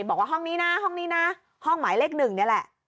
บอกว่าห้องนี้นะห้องนี้นะห้องหมายเลขหนึ่งนี่แหละ